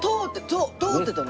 通ってたの。